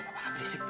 bapak abis itu